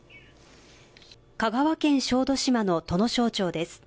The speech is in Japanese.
香川県小豆島の土庄町です。